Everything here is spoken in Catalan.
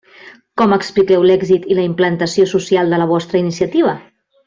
Com expliqueu l'èxit i la implantació social de la vostra iniciativa?